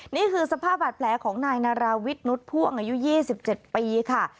นี่คือสภาพบาดแผลของนายนาราวิทย์นุษย์พ่วงอายุ๒๗ปีค่ะ